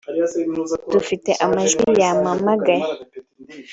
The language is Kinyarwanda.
dufite amajwi yampamagaye